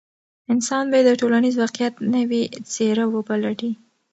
انسان باید د ټولنیز واقعیت نوې څېره وپلټي.